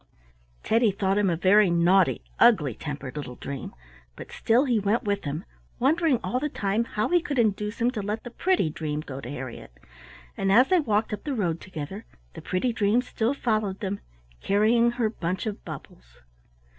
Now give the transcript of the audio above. Teddy thought him a very naughty, ugly tempered little dream, but still he went with him, wondering all the time how he could induce him to let the pretty dream go to Harriett, and as they walked up the road together the pretty dream still followed them, carrying her bunch of bubbles.